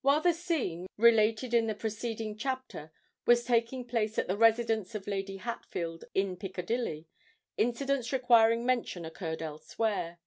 While the scene, related in the preceding chapter, was taking place at the residence of Lady Hatfield, in Piccadilly, incidents requiring mention occurred elsewhere.